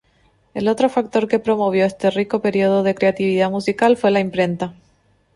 El otro factor que promovió este rico período de creatividad musical fue la imprenta.